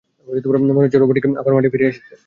মনে হচ্ছে রোবটনিক আবার মাঠে ফিরে এসেছে।